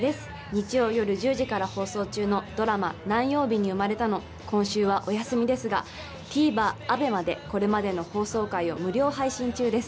日曜よる１０時から放送中のドラマ何曜日に生まれたの今週はお休みですがＴＶｅｒＡＢＥＭＡでこれまでの放送回を無料配信中です